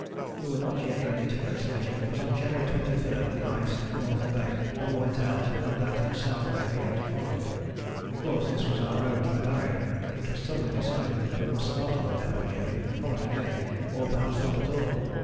We were not yet ready to go sledging, but on January 23 the ice in North Bay all went out, and that in South Bay began to follow it. Because this was our road to the Barrier, it was suddenly decided that we must start on the Depôt journey the following day or perhaps not at all.